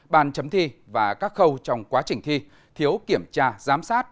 ban chấm thi và các khâu trong quá trình thi thiếu kiểm tra giám sát